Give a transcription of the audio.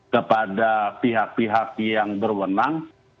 kepada pihak pihak yang berwenang